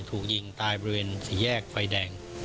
ถูกยิงตายบริเวณสี่แยกไฟแดง